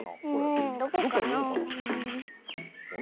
うんどこかなあ？